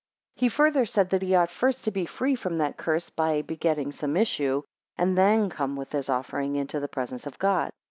10 He further said, that he ought first to be free from that curse by begetting some issue, and then come with his offerings into the presence of God.